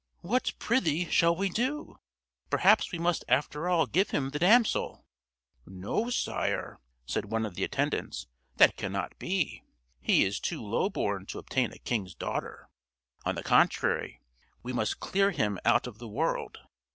"What, prithee, shall we do? Perhaps we must after all give him the damsel!" "No, sire," said one of the attendants, "that cannot be; he is too lowborn to obtain a king's daughter! On the contrary, we must clear him out of the world."